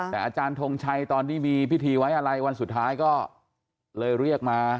แต่อาจารย์ทงชัยตอนที่มีพิธีไว้อะไรวันสุดท้ายก็เลยเรียกมา